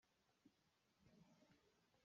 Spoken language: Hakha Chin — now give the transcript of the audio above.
An sam par hi tar an i dawhnak a si.